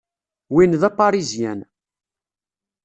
Win d Aparizyan.